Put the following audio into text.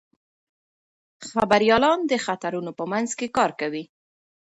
خبریالان د خطرونو په منځ کې کار کوي.